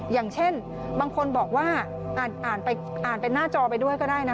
อย่างเช่นบางคนบอกว่าอ่านเป็นหน้าจอไปด้วยก็ได้นะ